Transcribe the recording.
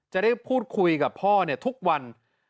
จะได้พูดคุยกับพ่อทุกวัน